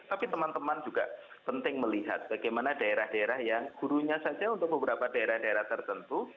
tapi teman teman juga penting melihat bagaimana daerah daerah yang gurunya saja untuk beberapa daerah daerah tertentu